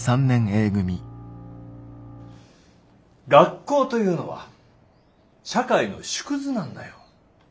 学校というのは社会の縮図なんだよ。